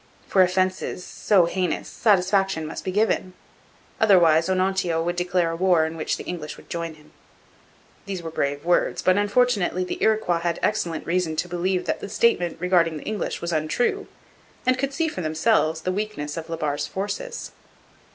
For offences so heinous satisfaction must be given. Otherwise Onontio would declare a war in which the English would join him. These were brave words, but unfortunately the Iroquois had excellent reason to believe that the statement regarding the English was untrue, and could see for themselves the weakness of La Barre's forces.